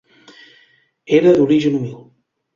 Era d'origen humil.